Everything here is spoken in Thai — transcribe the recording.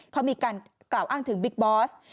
เขามีการกล่าวอ้างถึงบิ๊กบอส